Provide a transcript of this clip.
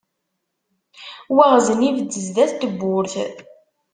Waɣzen ibedd sdat n tewwurt.